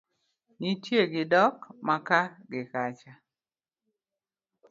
nitie gi dok maka gi kacha.